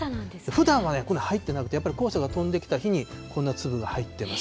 ふだんはこれ入ってなくて、やっぱり黄砂が飛んできた日に、こんな粒が入ってます。